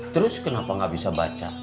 terus kenapa gak bisa baca